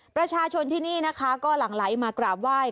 ประชาชนที่นี่นะคะก็หลั่งไหลมากราบไหว้